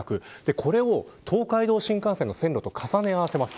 これを東海道新幹線の線路と重ね合わせます。